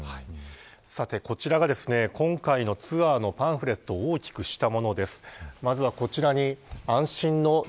こちらが、今回のツアーのパンフレットを大きくしたものです。